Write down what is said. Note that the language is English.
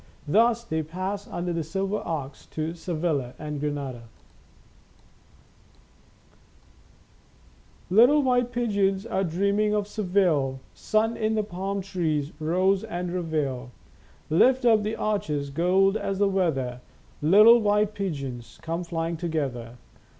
Thus they pass under the " Silver Arches " to Sevilla and Granada : 102 Our Little Spanish Cousin " Little white pigeons are dreaming of Seville, Sun in the palm trees, rose and revel. Lift up the arches, gold as the weather, Little white pigeons come flying together.